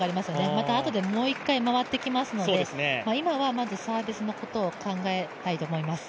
またあとで、もう一回、回ってきますので、今はまずサービスのことを考えたいと思います。